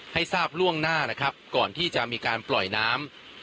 ให้ทราบล่วงหน้านะครับก่อนที่จะมีการปล่อยน้ำ